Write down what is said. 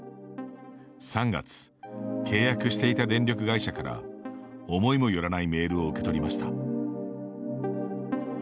３月、契約していた電力会社から思いも寄らないメールを受け取りました。